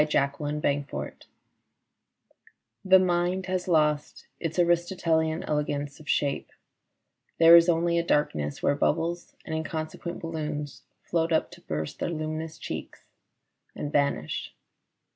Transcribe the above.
Fatigue 39 FATIGUE THE mind has lost its Aristotelian elegance of shape : there is only a darkness where bubbles and inconsequent balloons float up to burst their luminous cheeks and vanish.